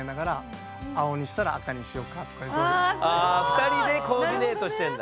２人でコーディネートしてんだ。